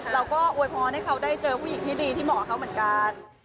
อวยพรให้เขาได้เจอผู้หญิงที่ดีที่เหมาะกับเขาเหมือนกัน